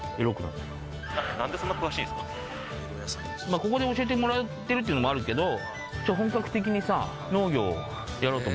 まあここで教えてもらってるっていうのもあるけど。